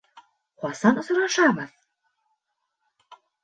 Ҡасан осрашабыҙ?